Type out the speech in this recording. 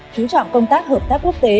chú trọng công tác hợp tác quốc tế